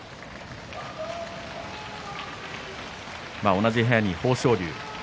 同じ部屋に豊昇龍